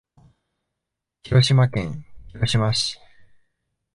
広島県広島市